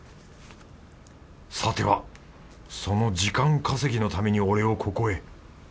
さてはその時間稼ぎのために俺をここへ